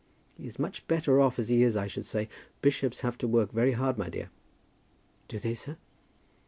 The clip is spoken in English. He is much better off as he is, I should say. Bishops have to work very hard, my dear." "Do they, sir?"